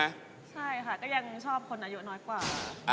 ใช่ค่ะก็ยังชอบคนอายุน้อยกว่า